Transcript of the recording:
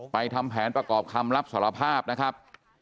ทำแผนประกอบคำรับสารภาพนะครับ